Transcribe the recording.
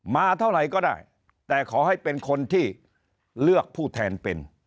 มาเท่าไหร่ก็ได้แต่ขอให้เป็นคนที่เลือกผู้แทนเป็น